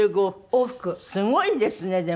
すごいですねでも。